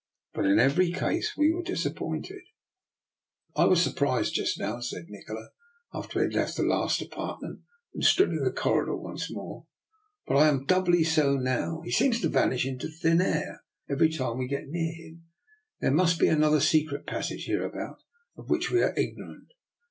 But in every case we were disappointed. DR. NIKOLA'S EXPERIMENT. 283 " I was surprised just now," said Nikola, after we had left the last apartment and stood in the corridor once more, " but I am doubly so now. What on earth can have become of the fellow? He seems to vanish into thin air every time we get near him. There must be another secret passage hereabout of which we are ignorant.